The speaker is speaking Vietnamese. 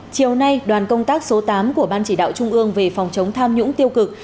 chiều nay đoàn công tác số tám của ban chỉ đạo trung ương về phòng chống tham nhũng tiêu cực